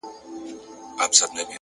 ستر بدلونونه له کوچنیو تصمیمونو زېږي،